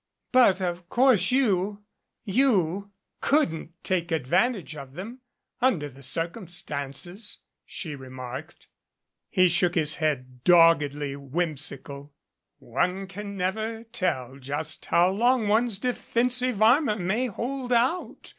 "But, of course, you you couldn't take advantage of them under the circumstances," she remarked. He shook his head, doggedly whimsical. "One never can tell just how long one's defensive armor may hold out.